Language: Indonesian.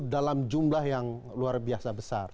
dalam jumlah yang luar biasa besar